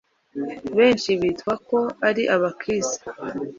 benshi bitwa ko ari Abakristo